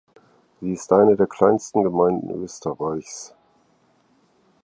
Sie ist eine der kleinsten Gemeinden Österreichs.